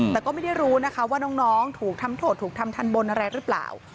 แต่ก็ไม่ได้รู้นะคะว่าน้องถูกทำโทษถูกทำทันบนอะไรหรือเปล่า